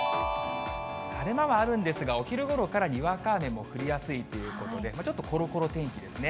晴れ間はあるんですが、お昼ごろからにわか雨も降りやすいということで、ちょっとコロコロ天気ですね。